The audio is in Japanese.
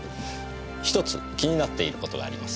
ひとつ気になっている事があります。